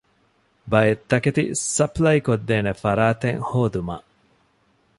ބައެއް ތަކެތި ސަޕްލައި ކޮށްދޭނެ ފަރާތެއް ހޯދުމަށް